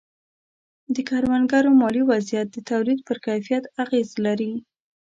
د کروندګرو مالي وضعیت د تولید پر کیفیت اغېز لري.